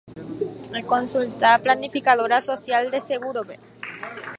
Consulte el planificador de beneficios por jubilación del Seguro Social para obtener información detallada.